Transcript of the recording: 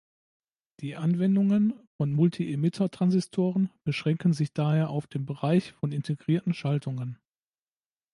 Die Anwendungen von Multiemitter-Transistoren beschränken sich daher auf den Bereich von integrierten Schaltungen.